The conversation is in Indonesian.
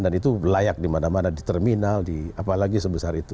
dan itu layak dimana mana di terminal di apalagi sebesar itu